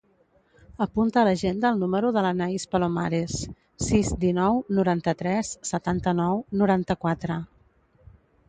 Apunta a l'agenda el número de l'Anaïs Palomares: sis, dinou, noranta-tres, setanta-nou, noranta-quatre.